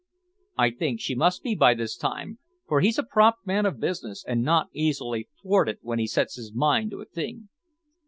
"I think she must be by this time, for he's a prompt man of business, and not easily thwarted when he sets his mind to a thing."